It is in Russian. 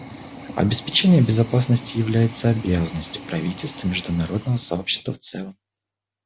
Обеспечение безопасности является обязанностью правительств и международного сообщества в целом.